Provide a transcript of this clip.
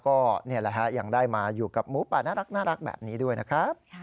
ก็อย่างได้มาอยู่กับหมูป่าน่ารักแบบนี้ด้วยนะครับ